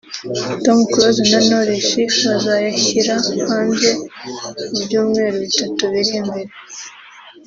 Tom Close na Knowless bazayashyira hanze mu byumweru bitatu biri imbere